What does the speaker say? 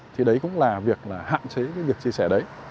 thì đấy cũng là việc là hạn chế cái việc chia sẻ đấy